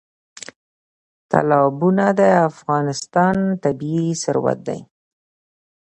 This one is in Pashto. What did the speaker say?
تالابونه د افغانستان طبعي ثروت دی.